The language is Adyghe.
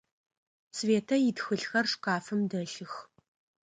Светэ итхылъхэр шкафым дэлъых.